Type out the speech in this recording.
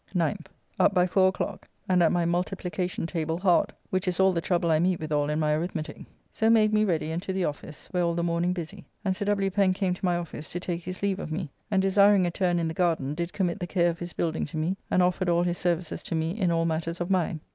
9th. Up by four o'clock, and at my multiplicacion table hard, which is all the trouble I meet withal in my arithmetique. So made me ready and to the office, where all the morning busy, and Sir W. Pen came to my office to take his leave of me, and desiring a turn in the garden, did commit the care of his building to me, and offered all his services to me in all matters of mine.